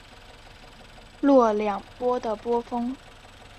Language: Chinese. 若两波的波峰。